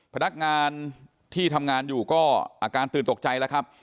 พนักงานที่ทำงานอยู่ก็อาการตื่นตกใจแล้วครับ